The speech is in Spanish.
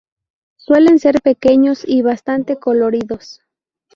Suelen ser pequeños y bastante coloridos.